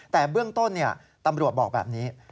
แต่เบื้องต้นตำรวจบอกแบบนี้